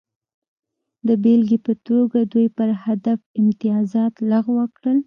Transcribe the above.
د بېلګې په توګه دوی پر هدف امتیازات لغوه کړل